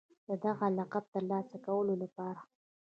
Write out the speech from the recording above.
د دغه لقب د ترلاسه کولو لپاره